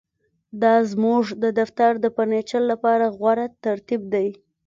دا زموږ د دفتر د فرنیچر لپاره غوره ترتیب دی